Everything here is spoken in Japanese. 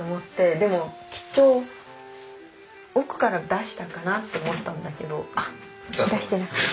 でもきっと奥から出したかなと思ったんだけどあっ出してなかった。